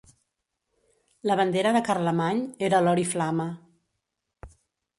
La bandera de Carlemany era l'oriflama.